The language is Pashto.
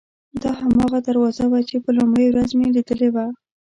دا هماغه دروازه وه چې په لومړۍ ورځ مې لیدلې وه.